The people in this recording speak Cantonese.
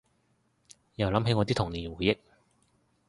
又諗起我啲童年回憶